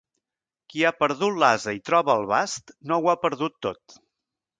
Qui ha perdut l'ase i troba el bast, no ho ha perdut tot.